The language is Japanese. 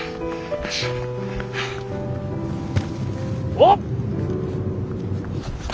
おっ！